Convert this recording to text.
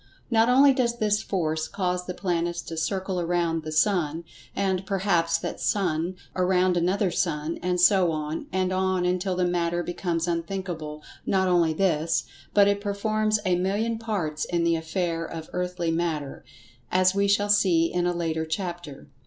Not only does this Force cause the planets to circle around the sun, and, perhaps that sun around another sun, and so on, and on until the matter becomes unthinkable—not only this, but it performs a million parts in the affair of earthly Matter, as we shall see in a later chapter.